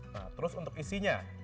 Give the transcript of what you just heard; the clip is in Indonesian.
nah terus untuk isinya